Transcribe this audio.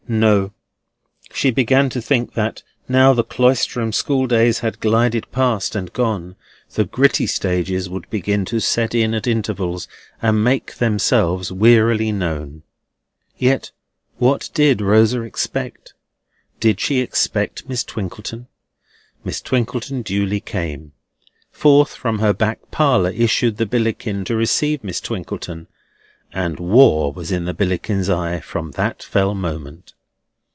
NO. She began to think, that, now the Cloisterham school days had glided past and gone, the gritty stages would begin to set in at intervals and make themselves wearily known! Yet what did Rosa expect? Did she expect Miss Twinkleton? Miss Twinkleton duly came. Forth from her back parlour issued the Billickin to receive Miss Twinkleton, and War was in the Billickin's eye from that fell moment.